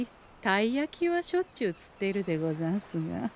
たい焼きはしょっちゅう釣っているでござんすが。